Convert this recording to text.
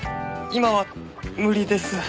今は無理です。